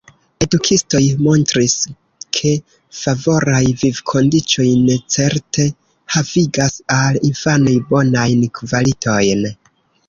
Edukistoj montris, ke favoraj vivkondiĉoj necerte havigas al infanoj bonajn kvalitojn.